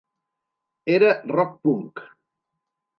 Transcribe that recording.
Era rock punk.